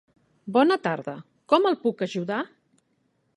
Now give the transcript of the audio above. Bona tarda, com el puc ajudar?